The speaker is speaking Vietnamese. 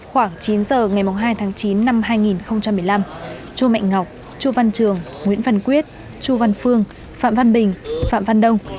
khoảng chín giờ ngày hai tháng chín năm hai nghìn một mươi năm chu mạnh ngọc chu văn trường nguyễn văn quyết chu văn phương phạm văn bình phạm văn đông